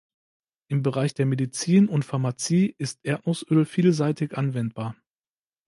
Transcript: Im Bereich der Medizin und Pharmazie ist Erdnussöl vielseitig anwendbar.